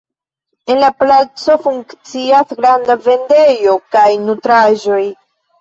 En la placo funkcias granda vendejo pri nutraĵoj.